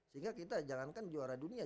sehingga kita jangankan juara dunia